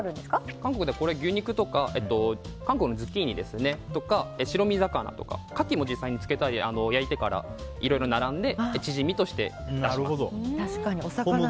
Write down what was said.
韓国では牛肉とか韓国のズッキーニとか白身魚とかカキもつけたり焼いてからいろいろ並んでチヂミとして出します。